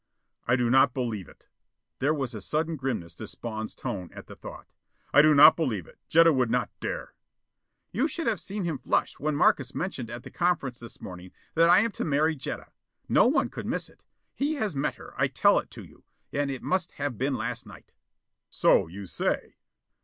"I do not believe it." There was a sudden grimness to Spawn's tone at the thought. "I do not believe it. Jetta would not dare." "You should have seen him flush when Markes mentioned at the conference this morning that I am to marry Jetta. No one could miss it. He has met her I tell it to you and it must have been last night." "So, you say?"